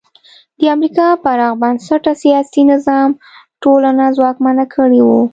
د امریکا پراخ بنسټه سیاسي نظام ټولنه ځواکمنه کړې وه.